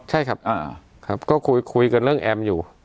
ใช่ครับก็คุยกันเรื่องแอมอยู่